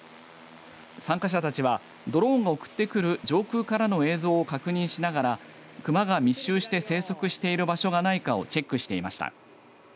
参加者たちはドローンを送ってくる上空からの映像を確認しながらクマが密集して生息している場所がないかをチェックしていました。